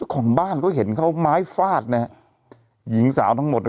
ของบ้านเขาเห็นเขาไม้ฟาดนะฮะหญิงสาวทั้งหมดน่ะ